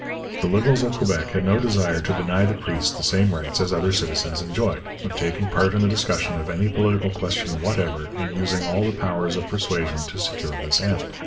The Liberals of Quebec had no desire to deny the priest the same rights as other citizens enjoyed, of taking part in the discussion of any political question whatever, and using all the powers of persuasion to secure this end.